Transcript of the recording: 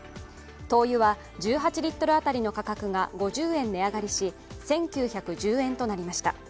灯油は１８リットル当たりの価格が５０円値上がりし１９１０円となりました。